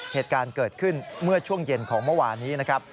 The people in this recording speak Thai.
เหตุการณ์เกิดขึ้นเมื่อช่วงเย็นของเมื่อวานนี้นะครับ